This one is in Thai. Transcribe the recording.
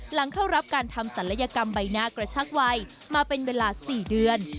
หลังเข้ารับการทำศัลยกรรมใบหน้ากระชักวัยมาเป็นเวลา๔เดือน